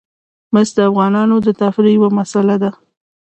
مس د افغانانو د تفریح یوه وسیله ده.